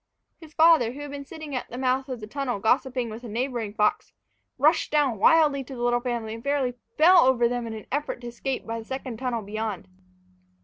His father, who had been sitting at the mouth of the tunnel gossiping with a neighboring fox, rushed down wildly to the little family, and fairly fell over them in an effort to escape by the second tunnel beyond.